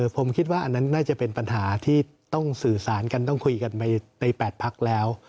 ผมคิดว่าอันนั้นน่าจะเป็นปัญหาที่ต้องสื่อสารกันต้องคุยกันไปใน๘พักแล้ว